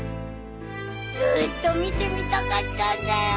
ずっと見てみたかったんだよ。